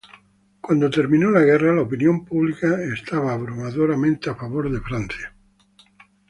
Cuando la guerra termina la opinión pública está abrumadoramente a favor de Francia.